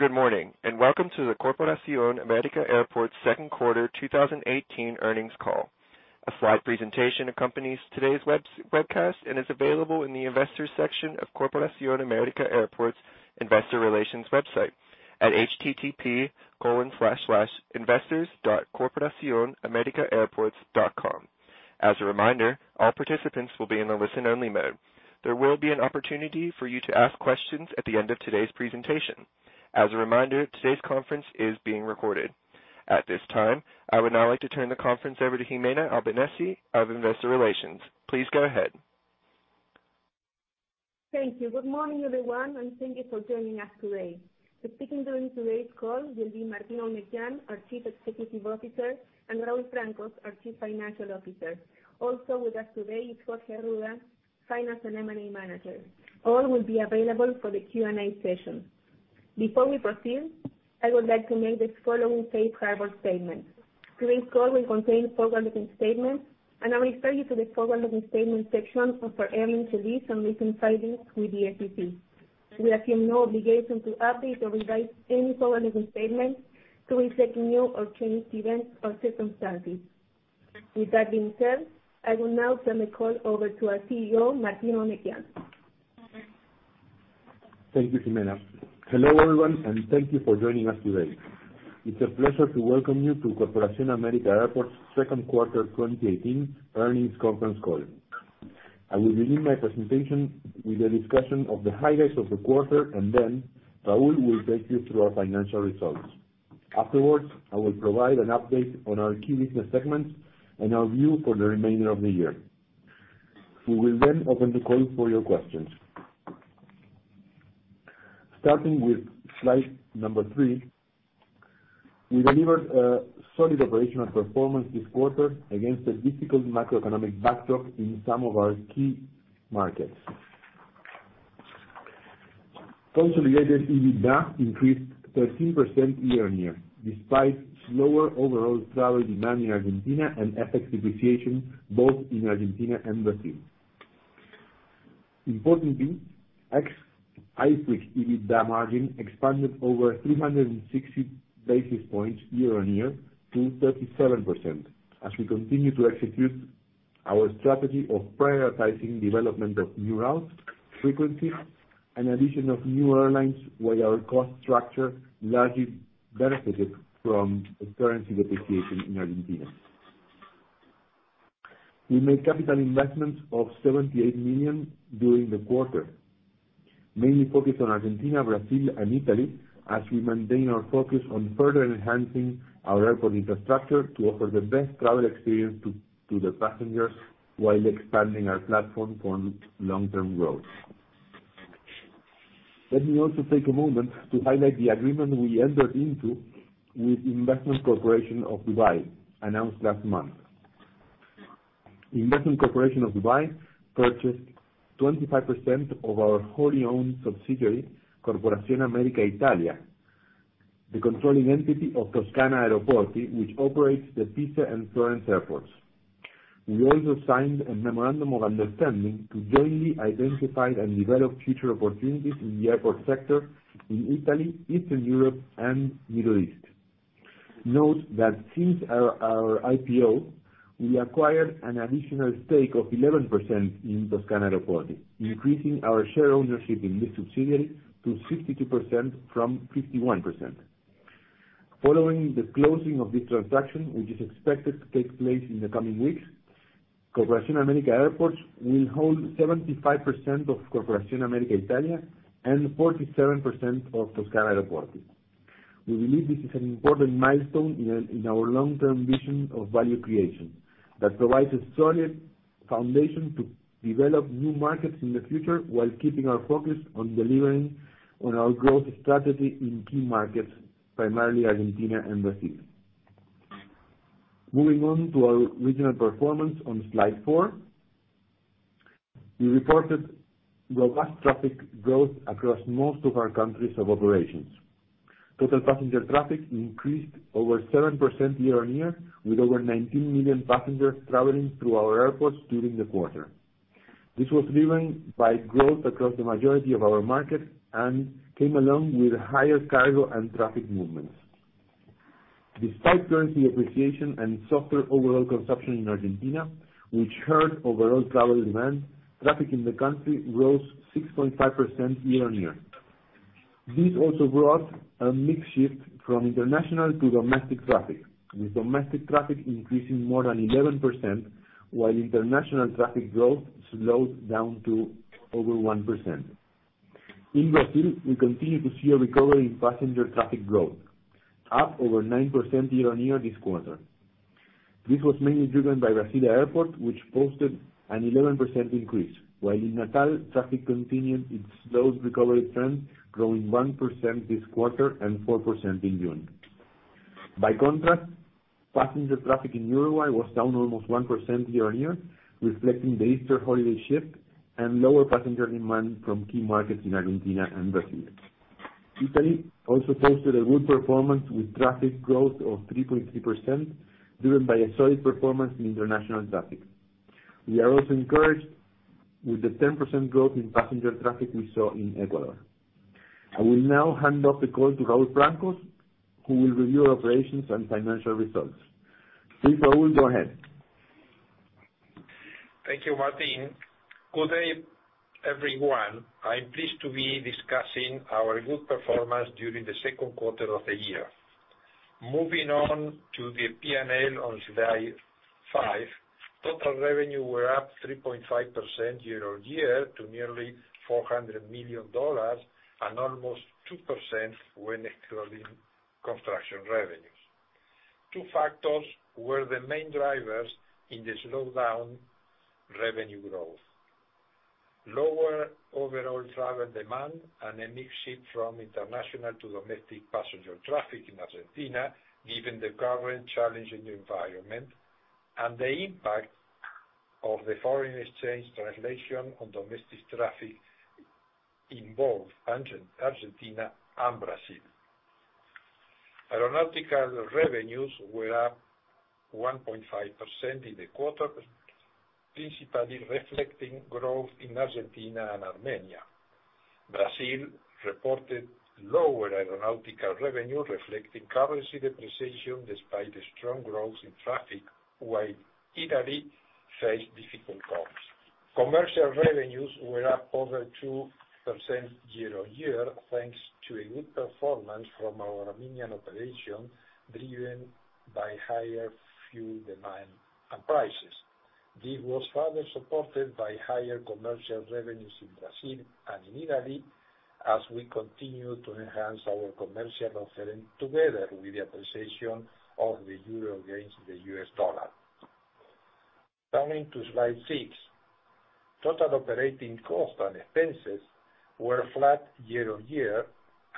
Welcome to the Corporación América Airports second quarter 2018 earnings call. A slide presentation accompanies today's webcast and is available in the investors section of Corporación América Airports Investor Relations website at http://investors.corporacionamericaairports.com. As a reminder, all participants will be in a listen-only mode. There will be an opportunity for you to ask questions at the end of today's presentation. As a reminder, today's conference is being recorded. At this time, I would now like to turn the conference over to Gimena Albanesi of Investor Relations. Please go ahead. Thank you. Good morning, everyone. Thank you for joining us today. The people speaking during today's call will be Martín Eurnekian, our Chief Executive Officer, and Raúl Francos, our Chief Financial Officer. Also with us today is Jorge Arruda, Finance and M&A Manager. All will be available for the Q&A session. Before we proceed, I would like to make the following safe harbor statement. Today's call will contain forward-looking statements. I refer you to the forward-looking statements section of our earnings release and recent filings with the SEC. We assume no obligation to update or revise any forward-looking statements to reflect new or changed events or circumstances. With that being said, I will now turn the call over to our CEO, Martín Eurnekian. Thank you, Gimena. Hello, everyone. Thank you for joining us today. It's a pleasure to welcome you to Corporación América Airports second quarter 2018 earnings conference call. I will begin my presentation with a discussion of the highlights of the quarter. Raúl will take you through our financial results. Afterwards, I will provide an update on our key business segments. Our view for the remainder of the year. We will open the call for your questions. Starting with slide number three, we delivered a solid operational performance this quarter against a difficult macroeconomic backdrop in some of our key markets. Consolidated EBITDA increased 13% year-on-year, despite slower overall travel demand in Argentina and FX depreciation, both in Argentina and Brazil. Importantly, ex-IFRIC EBITDA margin expanded over 360 basis points year-on-year to 37%, as we continue to execute our strategy of prioritizing development of new routes, frequencies, and addition of new airlines while our cost structure largely benefited from currency depreciation in Argentina. We made capital investments of $78 million during the quarter, mainly focused on Argentina, Brazil, and Italy, as we maintain our focus on further enhancing our airport infrastructure to offer the best travel experience to the passengers while expanding our platform for long-term growth. Let me also take a moment to highlight the agreement we entered into with Investment Corporation of Dubai, announced last month. Investment Corporation of Dubai purchased 25% of our wholly-owned subsidiary, Corporación América Italia, the controlling entity of Toscana Aeroporti, which operates the Pisa and Florence airports. We also signed a memorandum of understanding to jointly identify and develop future opportunities in the airport sector in Italy, Eastern Europe, and Middle East. Note that since our IPO, we acquired an additional stake of 11% in Toscana Aeroporti, increasing our share ownership in this subsidiary to 52% from 51%. Following the closing of this transaction, which is expected to take place in the coming weeks, Corporación América Airports will hold 75% of Corporación América Italia and 47% of Toscana Aeroporti. We believe this is an important milestone in our long-term vision of value creation that provides a solid foundation to develop new markets in the future while keeping our focus on delivering on our growth strategy in key markets, primarily Argentina and Brazil. Moving on to our regional performance on slide four, we reported robust traffic growth across most of our countries of operations. Total passenger traffic increased over 7% year-on-year, with over 19 million passengers traveling through our airports during the quarter. This was driven by growth across the majority of our markets and came along with higher cargo and traffic movements. Despite currency appreciation and softer overall consumption in Argentina, which hurt overall travel demand, traffic in the country rose 6.5% year-on-year. This also brought a mix shift from international to domestic traffic, with domestic traffic increasing more than 11%, while international traffic growth slowed down to over 1%. In Brazil, we continue to see a recovery in passenger traffic growth, up over 9% year-on-year this quarter. This was mainly driven by Brasília Airport, which posted an 11% increase, while in Natal, traffic continued its slow recovery trend, growing 1% this quarter and 4% in June. By contrast, passenger traffic in Uruguay was down almost 1% year-on-year, reflecting the Easter holiday shift and lower passenger demand from key markets in Argentina and Brazil. Italy also posted a good performance with traffic growth of 3.3%, driven by a solid performance in international traffic. We are also encouraged with the 10% growth in passenger traffic we saw in Ecuador. I will now hand off the call to Raúl Francos, who will review operations and financial results. Please, Raúl, go ahead. Thank you, Martín. Good day, everyone. I am pleased to be discussing our good performance during the second quarter of the year. Moving on to the P&L on slide five. Total revenue were up 3.5% year-over-year to nearly $400 million and almost 2% when excluding construction revenues. Two factors were the main drivers in the slowdown revenue growth. Lower overall travel demand and a mix shift from international to domestic passenger traffic in Argentina, given the current challenging environment, and the impact of the foreign exchange translation on domestic traffic in both Argentina and Brazil. Aeronautical revenues were up 1.5% in the quarter, principally reflecting growth in Argentina and Armenia. Brazil reported lower aeronautical revenue, reflecting currency depreciation despite the strong growth in traffic, while Italy faced difficult comps. Commercial revenues were up over 2% year-on-year, thanks to a good performance from our Armenian operation, driven by higher fuel demand and prices. This was further supported by higher commercial revenues in Brazil and in Italy, as we continue to enhance our commercial offering together with the appreciation of the euro against the US dollar. Turning to slide six. Total operating costs and expenses were flat year-on-year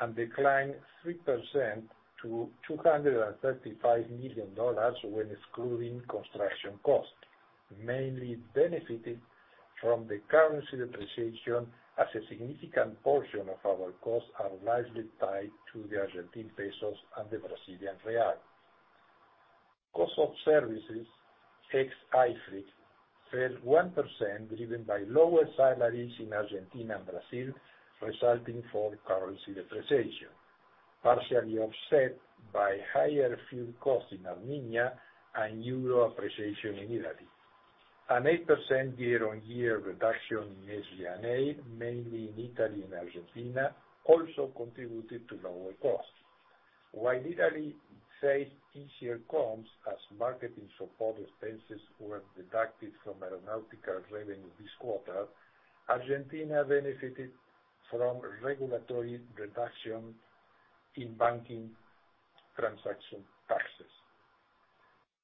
and declined 3% to $235 million when excluding construction costs, mainly benefiting from the currency depreciation as a significant portion of our costs are largely tied to the Argentine pesos and the Brazilian real. Cost of services, ex-IFRIC, fell 1%, driven by lower salaries in Argentina and Brazil, resulting from currency depreciation, partially offset by higher fuel costs in Armenia and euro appreciation in Italy. An 8% year-on-year reduction in SG&A, mainly in Italy and Argentina, also contributed to lower costs. While Italy faced easier comps as marketing support expenses were deducted from aeronautical revenue this quarter, Argentina benefited from regulatory reduction in banking transaction taxes.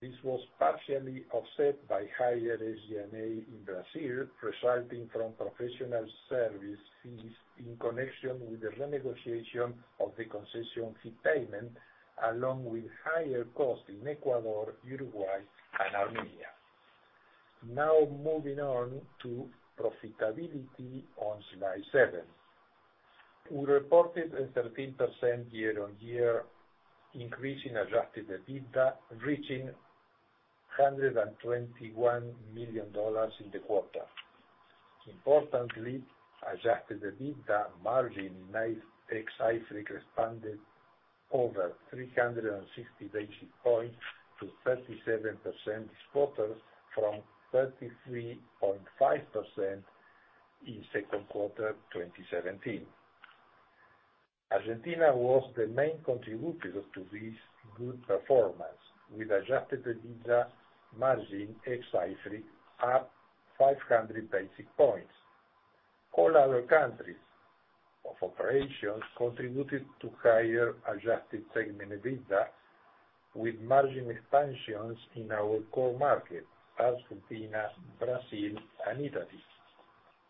This was partially offset by higher SG&A in Brazil, resulting from professional service fees in connection with the renegotiation of the concession fee payment, along with higher costs in Ecuador, Uruguay, and Armenia. Now moving on to profitability on slide seven. We reported a 13% year-on-year increase in adjusted EBITDA, reaching $121 million in the quarter. Importantly, adjusted EBITDA margin in [ICE] ex-IFRIC expanded over 360 basis points to 37% this quarter from 33.5% in second quarter 2017. Argentina was the main contributor to this good performance, with adjusted EBITDA margin ex-IFRIC up 500 basis points. All other countries of operations contributed to higher adjusted segment EBITDA, with margin expansions in our core markets: Argentina, Brazil, and Italy.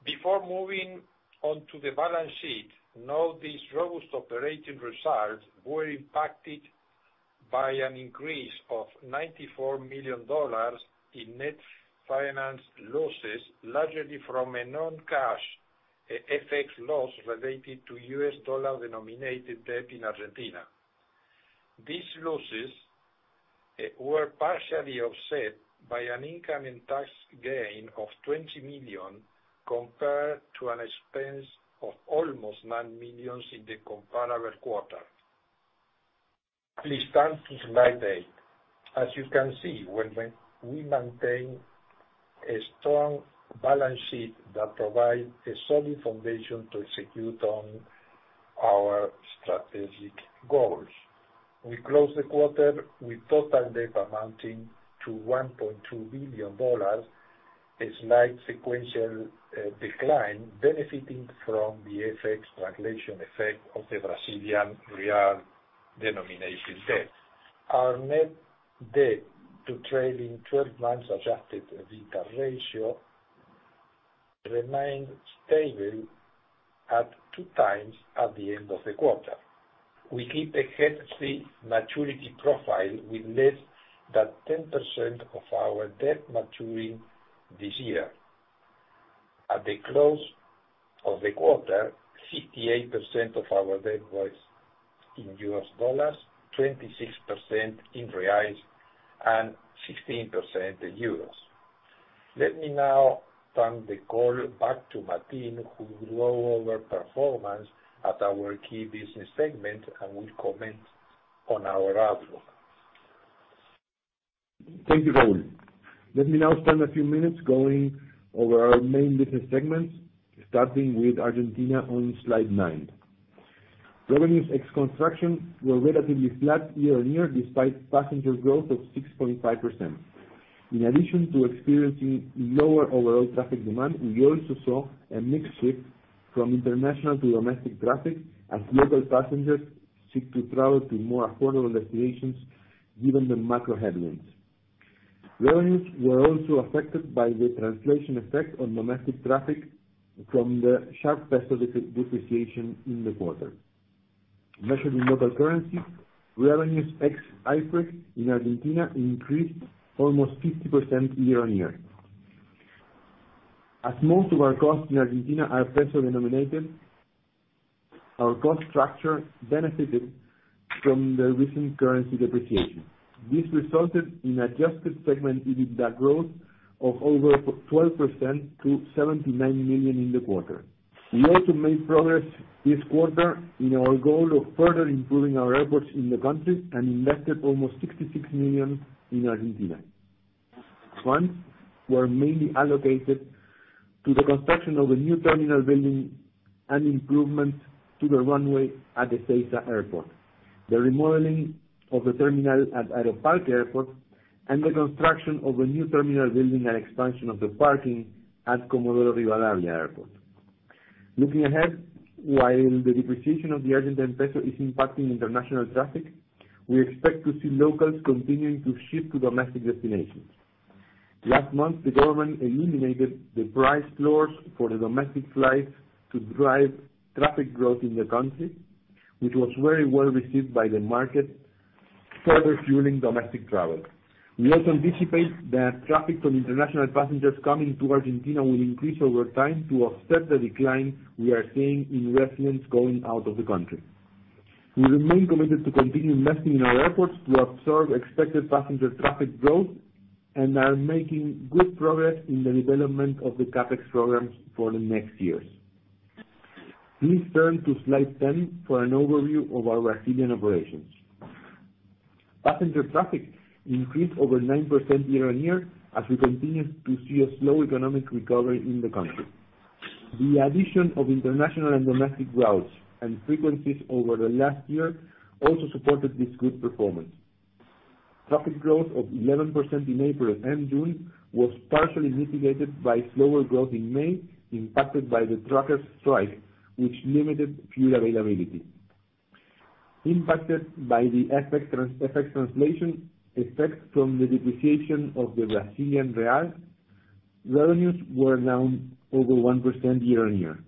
Before moving on to the balance sheet, note these robust operating results were impacted by an increase of $94 million in net finance losses, largely from a non-cash FX loss related to US dollar-denominated debt in Argentina. These losses were partially offset by an income and tax gain of $20 million compared to an expense of almost $9 million in the comparable quarter. Please turn to slide eight. As you can see, we maintain a strong balance sheet that provides a solid foundation to execute on our strategic goals. We closed the quarter with total debt amounting to $1.2 billion, a slight sequential decline benefiting from the FX translation effect of the Brazilian real denomination debt. Our net debt to trailing 12 months adjusted EBITDA ratio remained stable at two times at the end of the quarter. We keep a healthy maturity profile with less than 10% of our debt maturing this year. At the close of the quarter, 58% of our debt was in US dollars, 26% in reais, and 16% in euros. Let me now turn the call back to Martín, who will go over performance at our key business segments and will comment on our outlook. Thank you, Raúl. Let me now spend a few minutes going over our main business segments, starting with Argentina on slide nine. Revenues ex construction were relatively flat year-on-year, despite passenger growth of 6.5%. In addition to experiencing lower overall traffic demand, we also saw a mix shift from international to domestic traffic as local passengers seek to travel to more affordable destinations given the macro headwinds. Revenues were also affected by the translation effect on domestic traffic from the sharp peso depreciation in the quarter. Measured in local currency, revenues ex IFRIC in Argentina increased almost 50% year-on-year. As most of our costs in Argentina are peso denominated, our cost structure benefited from the recent currency depreciation. This resulted in adjusted segment EBITDA growth of over 12% to $79 million in the quarter. We also made progress this quarter in our goal of further improving our airports in the country and invested almost $66 million in Argentina. These funds were mainly allocated to the construction of a new terminal building and improvement to the runway at Ezeiza Airport, the remodeling of the terminal at Aeroparque Airport, and the construction of a new terminal building and expansion of the parking at Comodoro Rivadavia Airport. Looking ahead, while the depreciation of the Argentine peso is impacting international traffic, we expect to see locals continuing to shift to domestic destinations. Last month, the government eliminated the price floors for the domestic flights to drive traffic growth in the country, which was very well received by the market, further fueling domestic travel. We also anticipate that traffic from international passengers coming to Argentina will increase over time to offset the decline we are seeing in residents going out of the country. We remain committed to continue investing in our airports to absorb expected passenger traffic growth and are making good progress in the development of the CapEx programs for the next years. Please turn to slide 10 for an overview of our Brazilian operations. Passenger traffic increased over 9% year-on-year, as we continue to see a slow economic recovery in the country. The addition of international and domestic routes and frequencies over the last year also supported this good performance. Traffic growth of 11% in April and June was partially mitigated by slower growth in May, impacted by the truckers' strike, which limited fuel availability. Impacted by the FX translation effect from the depreciation of the Brazilian real, revenues were down over 1% year-on-year.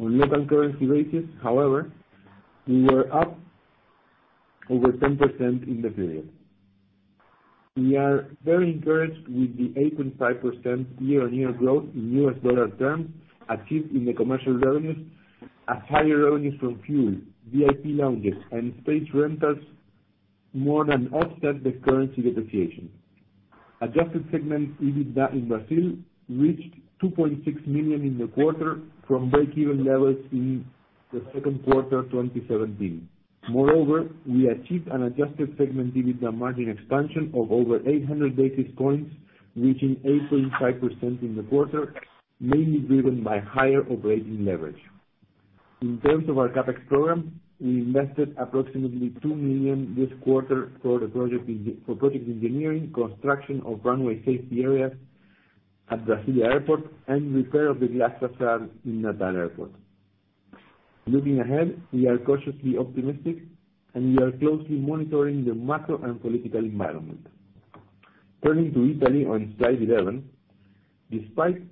On local currency basis, however, we were up over 10% in the period. We are very encouraged with the 8.5% year-on-year growth in US dollar terms achieved in the commercial revenues, as higher revenues from fuel, VIP lounges, and space rentals more than offset the currency depreciation. Adjusted segment EBITDA in Brazil reached $2.6 million in the quarter from break-even levels in the second quarter of 2017. Moreover, we achieved an adjusted segment EBITDA margin expansion of over 800 basis points, reaching 8.5% in the quarter, mainly driven by higher operating leverage. In terms of our CapEx program, we invested approximately $2 million this quarter for project engineering, construction of runway safety areas at Brasilia Airport, and repair of the glass facade in Natal Airport. Looking ahead, we are cautiously optimistic, and we are closely monitoring the macro and political environment. Turning to Italy on slide 11. Despite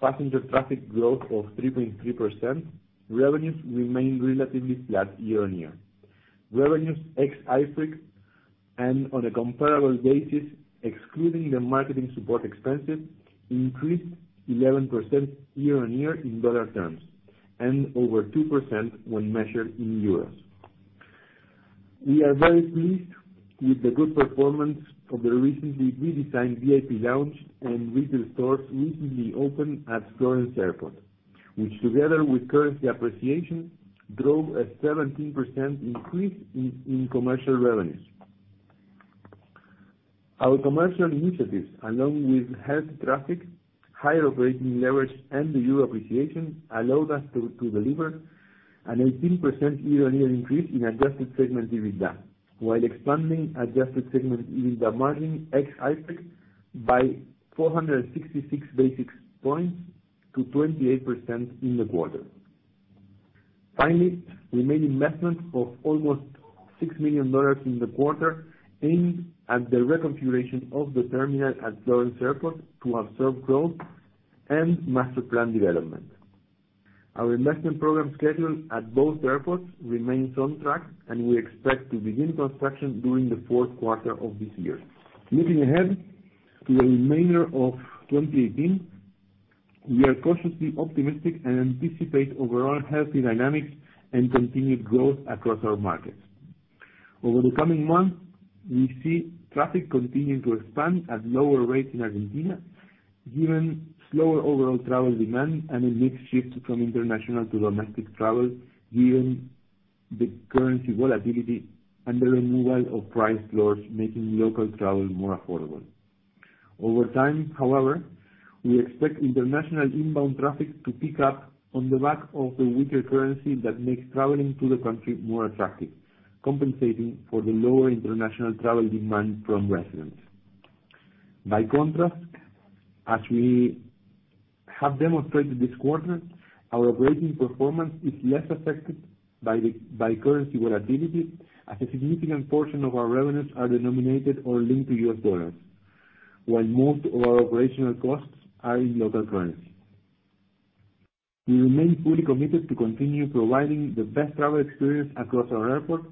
passenger traffic growth of 3.3%, revenues remained relatively flat year-on-year. Revenues ex IFRIC, and on a comparable basis excluding the marketing support expenses, increased 11% year-on-year in dollar terms, and over 2% when measured in EUR. We are very pleased with the good performance of the recently redesigned VIP lounge and retail stores recently opened at Florence Airport, which together with currency appreciation, drove a 17% increase in commercial revenues. Our commercial initiatives, along with higher traffic, higher operating leverage, and the EUR appreciation, allowed us to deliver an 18% year-on-year increase in adjusted segment EBITDA while expanding adjusted segment EBITDA margin ex IFRIC by 466 basis points to 28% in the quarter. Finally, we made investments of almost $6 million in the quarter aiming at the reconfiguration of the terminal at Florence Airport to absorb growth and master plan development. Our investment program schedule at both airports remains on track, and we expect to begin construction during the fourth quarter of this year. Looking ahead to the remainder of 2018, we are cautiously optimistic and anticipate overall healthy dynamics and continued growth across our markets. Over the coming months, we see traffic continuing to expand at lower rates in Argentina, given slower overall travel demand and a mix shift from international to domestic travel, given the currency volatility and the removal of price floors making local travel more affordable. Over time, we expect international inbound traffic to pick up on the back of the weaker currency that makes traveling to the country more attractive, compensating for the lower international travel demand from residents. By contrast, as we have demonstrated this quarter, our operating performance is less affected by currency volatility as a significant portion of our revenues are denominated or linked to US dollars, while most of our operational costs are in local currency. We remain fully committed to continue providing the best travel experience across our airports,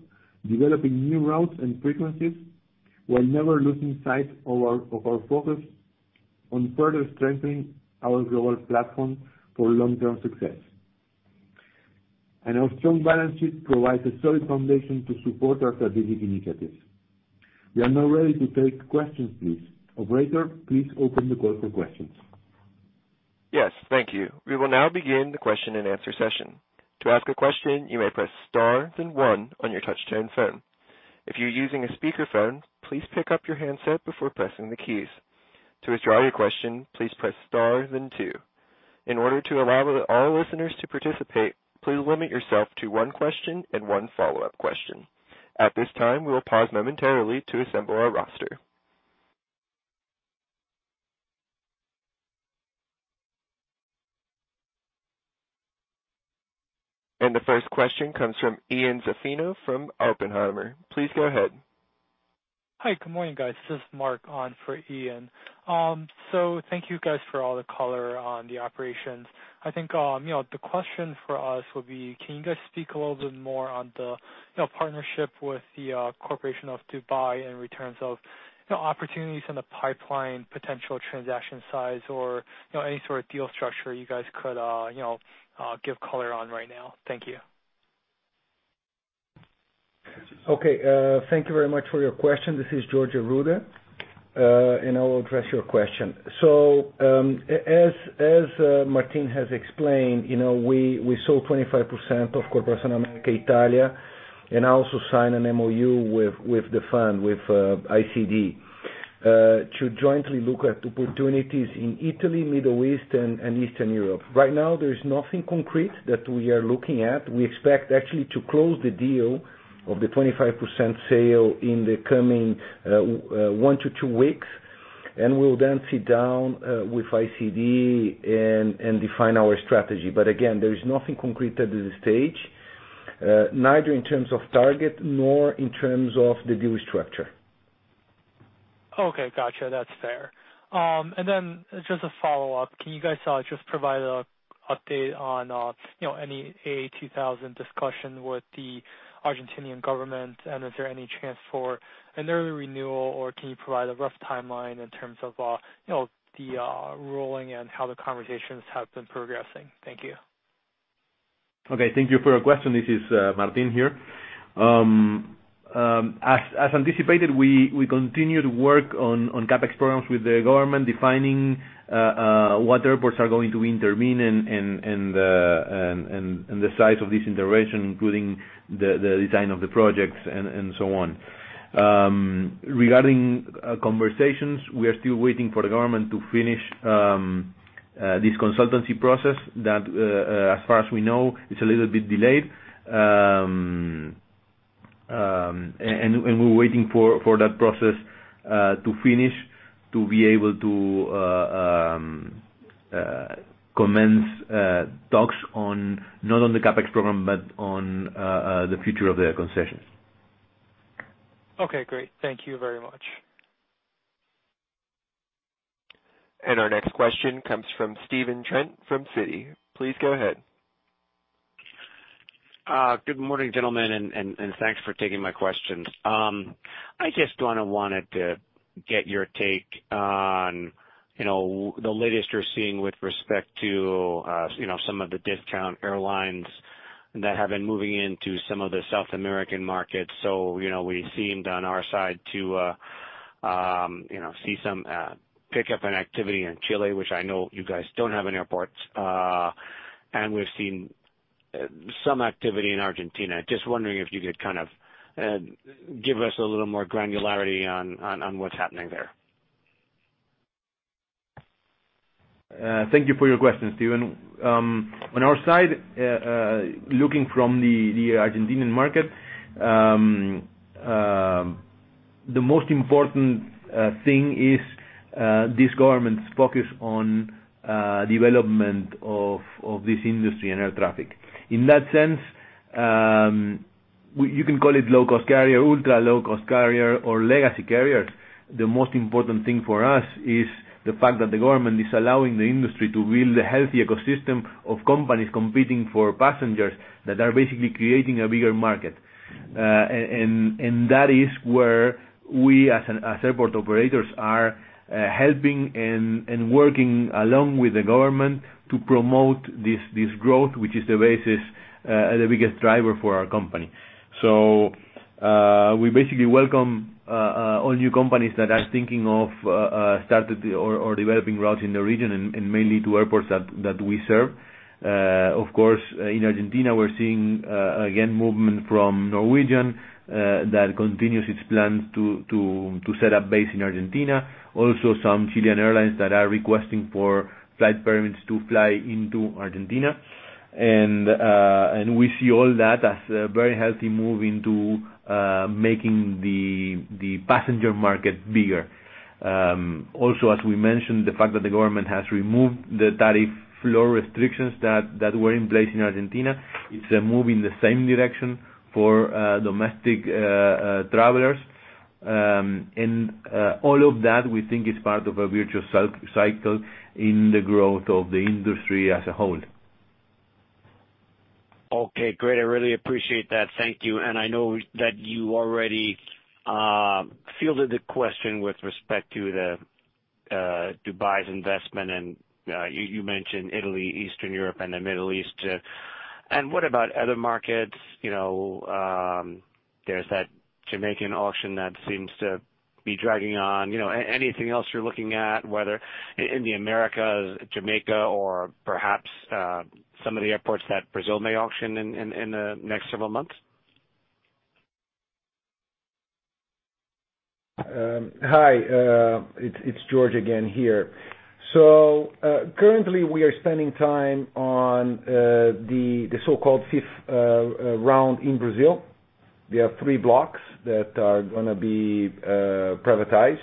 developing new routes and frequencies, while never losing sight of our focus on further strengthening our global platform for long-term success. Our strong balance sheet provides a solid foundation to support our strategic initiatives. We are now ready to take questions, please. Operator, please open the call for questions. Yes. Thank you. We will now begin the question and answer session. To ask a question, you may press star then one on your touch-tone phone. If you're using a speakerphone, please pick up your handset before pressing the keys. To withdraw your question, please press star then two. In order to allow all listeners to participate, please limit yourself to one question and one follow-up question. At this time, we will pause momentarily to assemble our roster. The first question comes from Ian Zaffino from Oppenheimer. Please go ahead. Hi, good morning, guys. This is Mark on for Ian. Thank you guys for all the color on the operations. I think, the question for us would be, can you guys speak a little bit more on the partnership with the Corporation of Dubai in terms of opportunities in the pipeline, potential transaction size or any sort of deal structure you guys could give color on right now? Thank you. Okay. Thank you very much for your question. This is Jorge Arruda, and I will address your question. As Martín has explained, we sold 25% of Corporación América Italia, and also signed an MoU with the fund, with ICD, to jointly look at opportunities in Italy, Middle East, and Eastern Europe. Right now, there is nothing concrete that we are looking at. We expect actually to close the deal of the 25% sale in the coming one to two weeks, and we will then sit down with ICD and define our strategy. Again, there is nothing concrete at this stage, neither in terms of target nor in terms of the deal structure. Okay, got you. That's fair. Just a follow-up, can you guys just provide an update on any AA2000 discussion with the Argentinian government, and is there any chance for an early renewal, or can you provide a rough timeline in terms of the ruling and how the conversations have been progressing? Thank you. Okay, thank you for your question. This is Martín here. As anticipated, we continue to work on CapEx programs with the government defining what airports are going to intervene and the size of this intervention, including the design of the projects and so on. Regarding conversations, we are still waiting for the government to finish this consultancy process that, as far as we know, is a little bit delayed. We are waiting for that process to finish to be able to commence talks on, not on the CapEx program, but on the future of the concession. Okay, great. Thank you very much. Our next question comes from Stephen Trent from Citi. Please go ahead. Good morning, gentlemen, and thanks for taking my questions. I just want to get your take on the latest you're seeing with respect to some of the discount airlines that have been moving into some of the South American markets. We seemed on our side to see some pickup in activity in Chile, which I know you guys don't have any airports. We've seen some activity in Argentina. Just wondering if you could give us a little more granularity on what's happening there. Thank you for your question, Stephen. On our side, looking from the Argentinian market, the most important thing is this government's focus on development of this industry and air traffic. In that sense. You can call it low-cost carrier, ultra-low-cost carrier, or legacy carrier. The most important thing for us is the fact that the government is allowing the industry to build a healthy ecosystem of companies competing for passengers that are basically creating a bigger market. That is where we, as airport operators, are helping and working along with the government to promote this growth, which is the biggest driver for our company. We basically welcome all new companies that are thinking of starting or developing routes in the region and mainly to airports that we serve. Of course, in Argentina, we're seeing, again, movement from Norwegian that continues its plans to set up base in Argentina. Some Chilean airlines that are requesting for flight permits to fly into Argentina. We see all that as a very healthy move into making the passenger market bigger. As we mentioned, the fact that the government has removed the tariff floor restrictions that were in place in Argentina, it's a move in the same direction for domestic travelers. All of that, we think, is part of a virtuous cycle in the growth of the industry as a whole. Great. I really appreciate that. Thank you. I know that you already fielded the question with respect to Dubai's investment, and you mentioned Italy, Eastern Europe, and the Middle East. What about other markets? There's that Jamaican auction that seems to be dragging on. Anything else you're looking at, whether in the Americas, Jamaica, or perhaps some of the airports that Brazil may auction in the next several months? Hi, it's Jorge again here. Currently we are spending time on the so-called fifth round in Brazil. We have three blocks that are going to be privatized.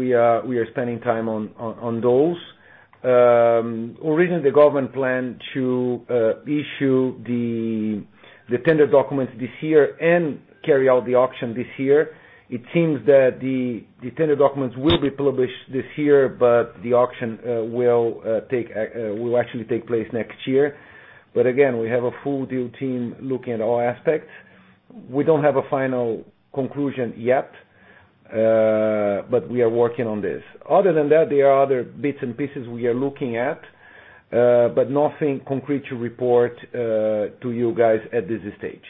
We are spending time on those. Originally, the government planned to issue the tender documents this year and carry out the auction this year. It seems that the tender documents will be published this year, but the auction will actually take place next year. Again, we have a full due team looking at all aspects. We don't have a final conclusion yet, but we are working on this. Other than that, there are other bits and pieces we are looking at, but nothing concrete to report to you guys at this stage.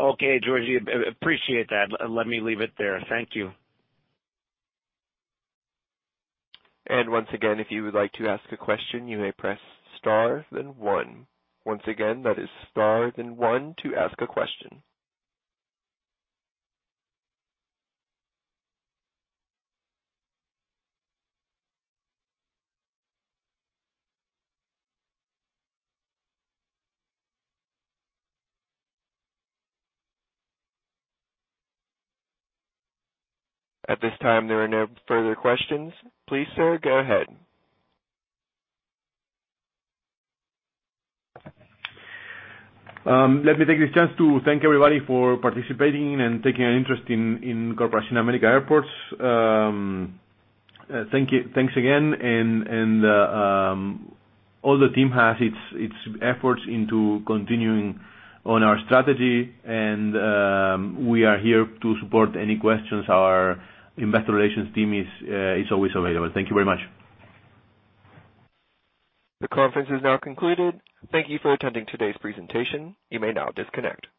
Okay, Jorge, appreciate that. Let me leave it there. Thank you. Once again, if you would like to ask a question, you may press star, then one. Once again, that is star, then one to ask a question. At this time, there are no further questions. Please, sir, go ahead. Let me take this chance to thank everybody for participating and taking an interest in Corporación América Airports. Thanks again, and all the team has its efforts into continuing on our strategy, and we are here to support any questions. Our investor relations team is always available. Thank you very much. The conference is now concluded. Thank you for attending today's presentation. You may now disconnect.